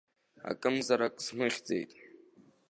Акымзарак смыхьӡеит!